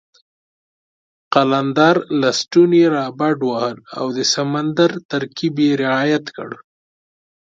قلندر لسټوني را بډ وهل او د سمندر ترکیب یې رعایت کړ.